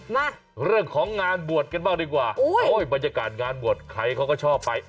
มาเรื่องของงานบวชกันบ้างดีกว่าโอ้ยบรรยากาศงานบวชใครเขาก็ชอบไป